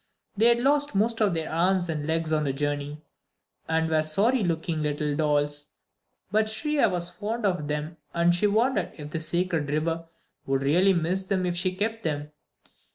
They had lost most of their arms and legs on the journey, and were sorry looking little dolls; but Shriya was very fond of them, and she wondered if the "Sacred River" would really miss them if she kept them.